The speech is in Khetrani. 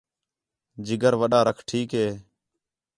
جگر وݙا رکھ ٹھیک ہے